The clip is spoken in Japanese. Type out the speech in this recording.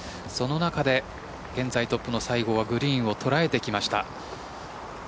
その中で、現在トップの西郷はグリーンを捉えてきました。